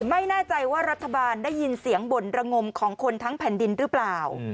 ไม่แน่ใจว่ารัฐบาลได้ยินเสียงบ่นระงมของคนทั้งแผ่นดินหรือเปล่า